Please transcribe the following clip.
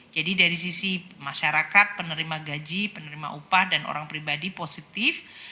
jadi dari sisi masyarakat penerima gaji penerima upah dan orang pribadi positif